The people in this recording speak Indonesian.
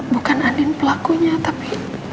bukan anehin pelakunya tapi